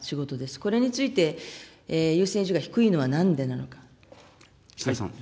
これについて優先順位が低いのはなんでなのか。